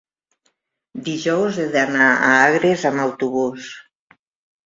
Dijous he d'anar a Agres amb autobús.